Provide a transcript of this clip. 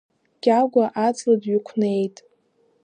Кьагәа аҵла дҩықәнеит.